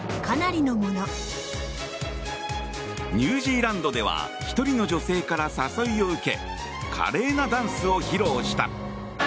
ニュージーランドでは１人の女性から誘いを受け華麗なダンスを披露した。